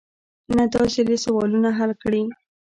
نه داځل يې سوالونه حل کړي.